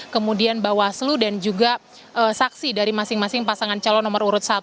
kemudian bawaslu dan juga saksi dari masing masing pasangan calon nomor urut satu